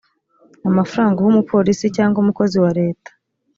amafaranga uha umupolisi cyangwa umukozi wa leta